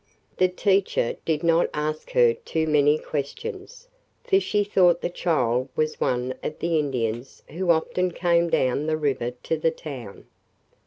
The teacher did not ask her too many questions, for she thought the child was one of the Indians who often came down the river to the town.